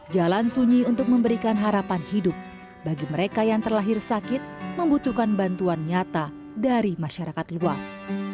jalan sunyi untuk memberikan harapan hidup bagi mereka yang terlahir sakit membutuhkan bantuan nyata dari masyarakat luas